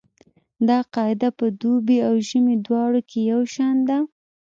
دا قاعده په دوبي او ژمي دواړو کې یو شان ده